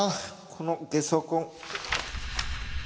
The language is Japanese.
このゲソ痕。